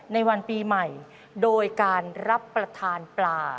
ในวันปีใหม่โดยการรับประทานปลา